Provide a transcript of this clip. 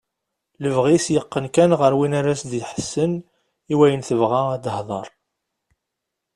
Lebɣi-s yeqqen kan ɣer win ara as-d-iḥessen i wayen tebɣa ad tehder.